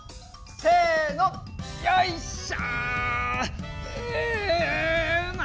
せのよいっしょ！